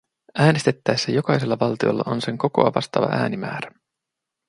Äänestettäessä jokaisella valtiolla on sen kokoa vastaava äänimäärä.